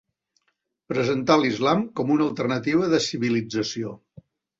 Presentar l'islam com una alternativa de civilització.